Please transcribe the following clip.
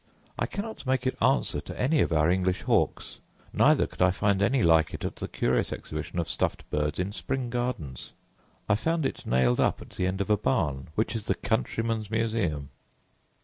I cannot make it answer to any of our English hawks; neither could I find any like it at the curious exhibition of stuffed birds in Spring gardens. I found it nailed up at the end of a barn, which is the countryman's museum.